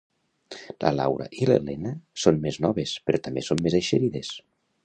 La Laura i l'Elena són més noves però també són molt eixerides